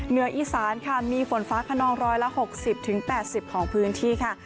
เหนืออีสานค่ะมีฝนฟ้าคนองร้อยละหกสิบถึงแปดสิบของพื้นที่ค่ะ